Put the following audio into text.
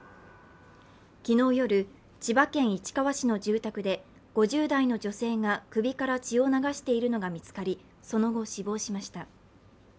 昨日夜、千葉県市川市の住宅で５０代の女性が首から血を流しているのが見つかりその後、死亡しました。